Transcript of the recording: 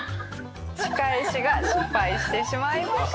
仕返しが失敗してしまいました。